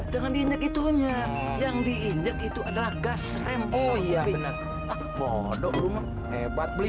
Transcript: jangan diinjak itunya yang diinjak itu adalah gas rem oh iya bener bodoh rumah hebat beli